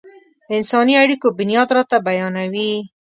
د انساني اړيکو بنياد راته بيانوي.